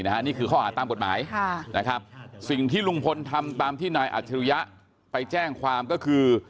นี่คือข้อหาตามกฎหมายนะครับสิ่งที่ลุงพลทำตามที่นายอัจฉริยะไปแจ้งความก็คือ